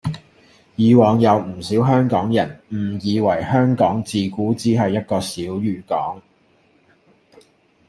以往有唔少香港人誤以為香港自古只係一個小漁港